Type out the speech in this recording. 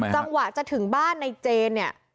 จังหวะจะถึงบ้านในเจนเนี่ย